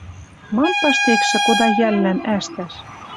Мам паштекшӹ кода йӓллӓн ӓштӓш?